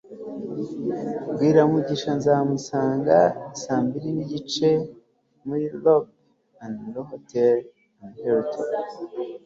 bwira mugisha nzamusanga saa mbiri nigice muri lobby ya hotel ya hilton